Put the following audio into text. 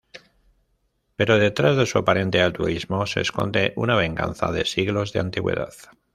Pero detrás de su aparente altruismo se esconde una venganza de siglos de antigüedad.